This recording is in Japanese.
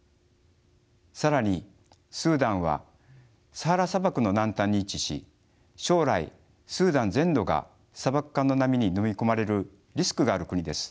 更にスーダンはサハラ砂漠の南端に位置し将来スーダン全土が砂漠化の波にのみ込まれるリスクがある国です。